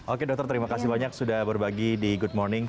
oke dokter terima kasih banyak sudah berbagi di good morning